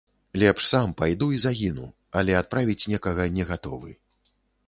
Лепш сам пайду і загіну, але адправіць некага не гатовы.